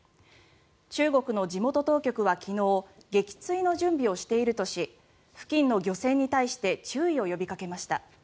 中国の地元当局は昨日撃墜の準備をしているとし付近の漁船に対して注意を呼びかけました。